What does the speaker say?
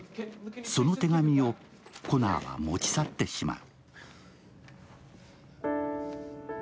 その手紙をコナーは持ち去ってしまう。